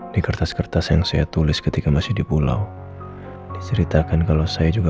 di kertas kertas yang saya tulis ketika masih di pulau diceritakan kalau saya juga